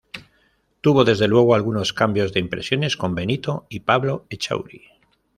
Tuvo, desde luego algunos cambios de impresiones con Benito y Pablo Echauri.